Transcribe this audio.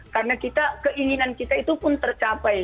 karena kita keinginan kita itu pun tercapai